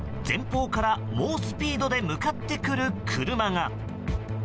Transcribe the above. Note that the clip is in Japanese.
前方から猛スピードで向かってくる車が。